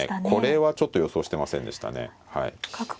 これはちょっと予想してませんでしたねはい。